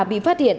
bị phát hiện